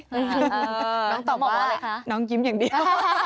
น้องตอบว่าน้องยิ้มอย่างเดียว